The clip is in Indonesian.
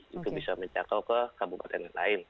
itu bisa menjangkau ke kabupaten yang lain